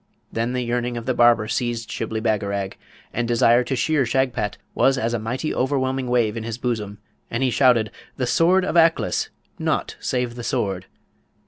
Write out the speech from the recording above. Then the yearning of the Barber seized Shibli Bagarag, and desire to shear Shagpat was as a mighty overwhelming wave in his bosom, and he shouted, 'The Sword of Aklis! nought save the Sword!'